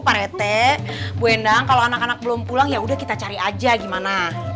pak rete bu hendang kalau anak anak belum pulang yaudah kita cari aja gimana